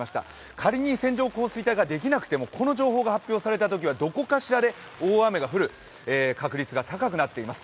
仮に線状降水帯ができなくても、この情報が発表されたときはどこかしらで大雨が降る確率が高くなっています。